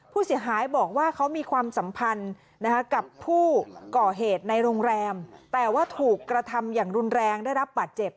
ผู้เสียหายบอกว่าเขามีความสัมพันธ์กับผู้ก่อเหตุในโรงแรมแต่ว่าถูกกระทำอย่างรุนแรงได้รับบาดเจ็บ